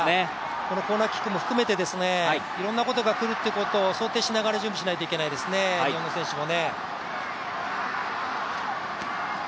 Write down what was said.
このコーナーキックも含めていろんなことが起こるっていうことを想定しながら準備しないといけないですね、日本の選手も。